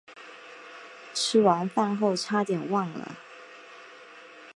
吃完饭后差点忘了